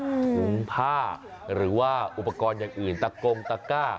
ถุงผ้าหรือว่าอุปกรณ์อย่างอื่นตะกงตะก้า